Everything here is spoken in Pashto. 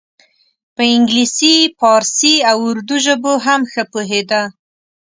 په انګلیسي پارسي او اردو ژبو هم ښه پوهیده.